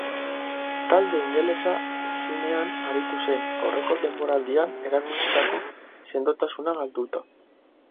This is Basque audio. Talde ingelesa ezinean aritu zen, aurreko denboraldian erakutsitako sendotasuna galduta.